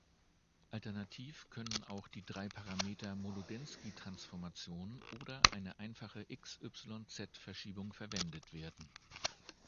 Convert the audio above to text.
Alternativ können auch die drei Parameter Molodenski-Transformation oder eine einfache x,y,z-Verschiebung verwendet werden.